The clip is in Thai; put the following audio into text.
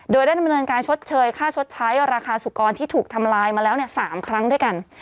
โดยได้ดำเนินการชดเชยค่าชดใช้ราคาสุกรที่ถูกทำลายมาแล้ว๓ครั้งด้วยกัน